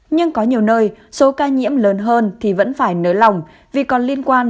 nhưng có nhiều nơi số ca nhiễm lớn hơn thì vẫn phải nới lỏng vì còn liên quan